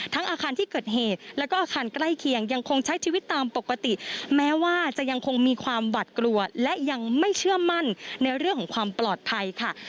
อาคารที่เกิดเหตุแล้วก็อาคารใกล้เคียงยังคงใช้ชีวิตตามปกติแม้ว่าจะยังคงมีความหวัดกลัวและยังไม่เชื่อมั่นในเรื่องของความปลอดภัยค่ะ